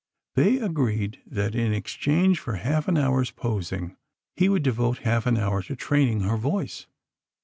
They agreed that in exchange for half an hour's posing, he would devote half an hour to training her voice.